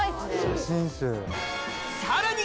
さらに！